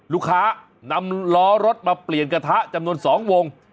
ลูกค้านำล้อรถมาเปลี่ยนกระทะจำนวน๒วง